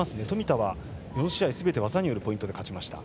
冨田は４試合すべて技によるポイントで勝ちました。